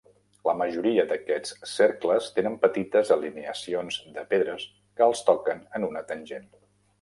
La majoria d'aquests cercles tenen petites alineacions de pedres que els toquen en una tangent.